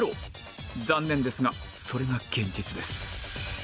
残念ですがそれが現実です